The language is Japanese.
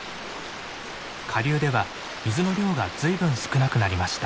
下流では水の量が随分少なくなりました。